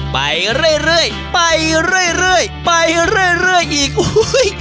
ไปเรื่อยเรื่อยไปเรื่อยเรื่อยไปเรื่อยอีกอุ้ย